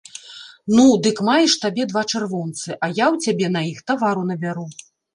Ну, дык маеш табе два чырвонцы, а я ў цябе на іх тавару набяру.